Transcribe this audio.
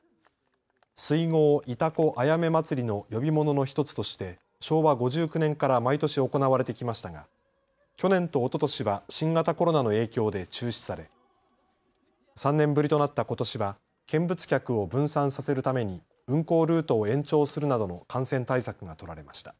水郷潮来あやめまつりの呼び物の１つとして昭和５９年から毎年行われてきましたが去年とおととしは新型コロナの影響で中止され３年ぶりとなったことしは見物客を分散させるために運航ルートを延長するなどの感染対策が取られました。